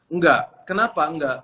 enggak kenapa enggak